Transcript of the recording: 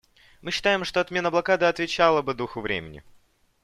Мы считаем, что отмена блокады отвечала бы духу времени.